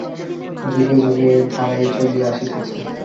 যুগে যুগে এই ধারাই চলিয়া আসিতেছে।